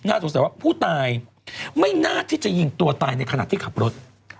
สงสัยว่าผู้ตายไม่น่าที่จะยิงตัวตายในขณะที่ขับรถ